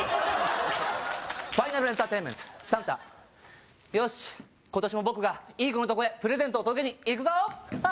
ファイナルエンターテイメント「サンタ」よし今年も僕がいい子のとこへプレゼントを届けに行くぞハハハ